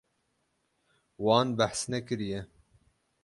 Wan behs nekiriye.